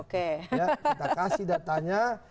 kita kasih datanya